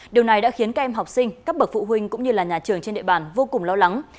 điều này đã khiến các em học sinh các bậc phụ huynh cũng như là nhà trường trên địa bàn vô cùng lo lắng